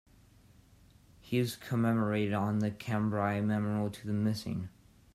He is commemorated on the Cambrai Memorial to the Missing.